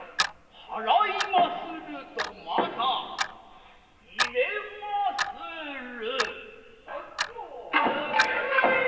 払いまするとまた入れまする。